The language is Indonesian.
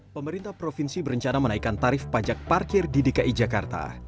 pemerintah provinsi berencana menaikkan tarif pajak parkir di dki jakarta